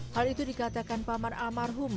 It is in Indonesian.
hal itu dikatakan paman almarhum